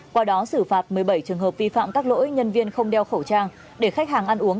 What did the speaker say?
qua đó xử phạt một mươi bảy trường hợp vi phạm các lỗi nhân viên không đeo khẩu trang để khách hàng ăn uống